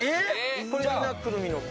これ、みんなくるみ木。